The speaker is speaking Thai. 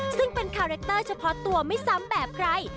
ซึ่งเป็นคาแรคเตอร์เฉพาะตัวไม่ซ้ำแบบใคร